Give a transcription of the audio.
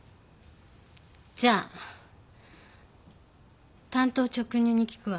じゃあ単刀直入に聞くわ。